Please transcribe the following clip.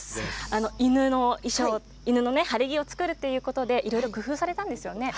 犬の晴れ着を作るということでいろいろ工夫されたんですね。